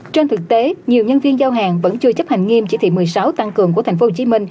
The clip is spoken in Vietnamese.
trên thực tế nhiều nhân viên giao hàng vẫn chưa chấp hành nghiêm chỉ thị một mươi sáu tăng cường của tp hcm